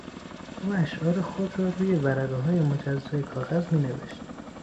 او اشعار خود را روی ورقههای مجزای کاغذ مینوشت.